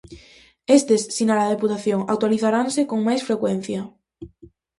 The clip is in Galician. Estes, sinala a Deputación, actualizaranse con máis frecuencia.